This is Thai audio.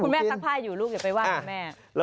คุณแม่ทักภายอยู่ลูกอย่าไปว่างนะแม่